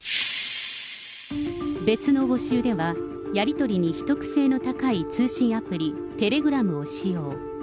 別の募集では、やり取りに秘匿性の高い通信アプリ、テレグラムを使用。